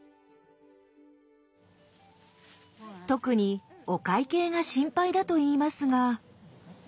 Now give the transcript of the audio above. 特にお会計が心配だといいますが。